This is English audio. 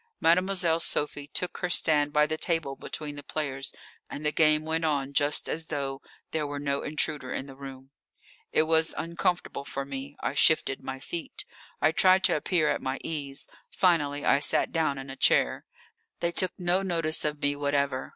Mademoiselle Sophie took her stand by the table between the players, and the game went on just as though there were no intruder in the room. It was uncomfortable for me. I shifted my feet. I tried to appear at my ease; finally I sat down in a chair. They took no notice of me whatever.